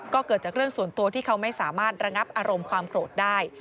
ก็เกิดจากเรื่องส่วนตัวที่เขาไม่สามารถระงับอารมณ์ความโกรธได้